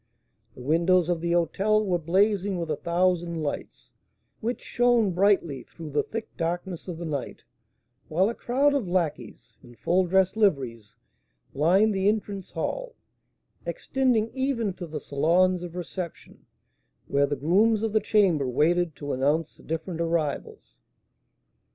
The windows of the hôtel were blazing with a thousand lights, which shone brightly through the thick darkness of the night, while a crowd of lacqueys, in full dress liveries, lined the entrance hall, extending even to the salons of reception, where the grooms of the chamber waited to announce the different arrivals.